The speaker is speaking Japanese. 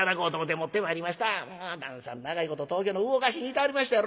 長いこと東京の魚河岸にいてはりましたやろ？